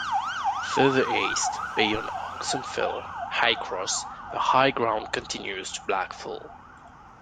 Further east, beyond Oxen Fell High Cross, the high ground continues to Black Fell.